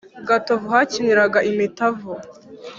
Gatovu hakiniraga imitavu